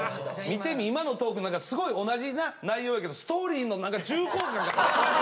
見てみ今のトークすごい同じ内容やけどストーリーの重厚感が。